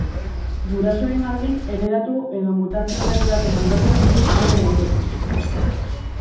Gurasoengandik heredatu edo mutazio berri baten ondorioz sor daiteke.